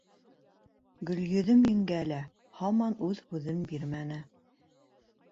Гөлйөҙөм еңгә лә һаман үҙ һүҙен бирмәне.